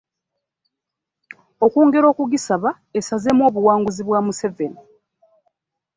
Okwongera okugisaba esazeemu obuwanguzi bwa Museveni